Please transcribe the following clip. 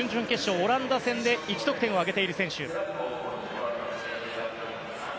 オランダ戦で１得点を挙げている選手。